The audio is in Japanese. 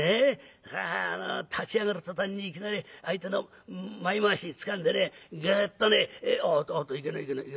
あの立ち上がる途端にいきなり相手の前まわしつかんでねグっとねおっとおっといけねえいけねえ」。